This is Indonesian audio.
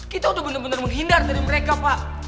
kita udah benar benar menghindar dari mereka pak